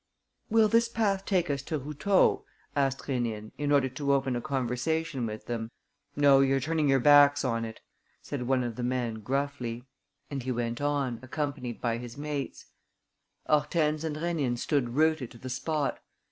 "Will this path take us to Routot?" ask Rénine, in order to open a conversation with them. "No, you're turning your backs on it," said one of the men, gruffly. And he went on, accompanied by his mates. Hortense and Rénine stood rooted to the spot.